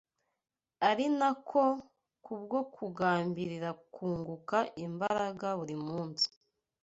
ari nako kubwo kugambirira kunguka imbaraga buri munsi